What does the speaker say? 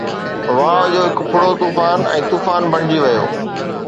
واءُ جو هڪ ڦڙو طوفان ۽ طوفان بڻجي ويو